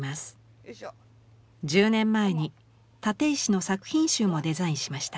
１０年前に立石の作品集もデザインしました。